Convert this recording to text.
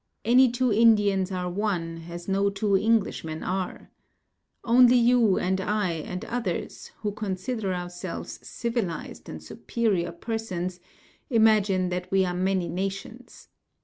Any two Indians are one as no two Englishmen are. Only you and I and others who consider ourselves civilised and superior persons imagine that we are many nations.